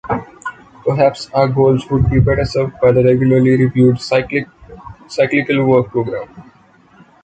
Perhaps our goals would be better served by the regularly reviewed cyclical work program.